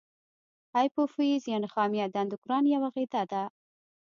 هایپوفیز یا نخامیه د اندوکراین یوه غده ده.